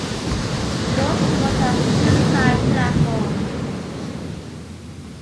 Northcote has two side platforms.